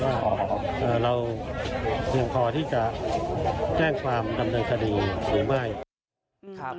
ว่าเราเพียงพอที่จะแจ้งความดำเนินคดีหรือไม่